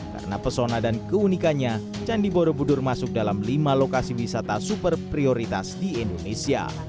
karena pesona dan keunikannya candi borobudur masuk dalam lima lokasi wisata super prioritas di indonesia